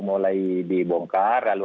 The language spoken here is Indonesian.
mulai dibongkar lalu